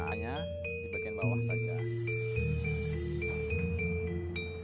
hanya di bagian bawah saja